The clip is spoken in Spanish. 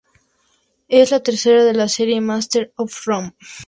Es la tercera de la serie "Masters of Rome".